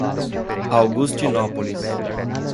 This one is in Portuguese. Augustinópolis